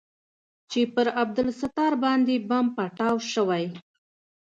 چې پر عبدالستار باندې بم پټاو سوى.